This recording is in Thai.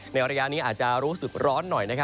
ในอร่อยนี้อาจจะรู้สึกร้อนหน่อยนะครับ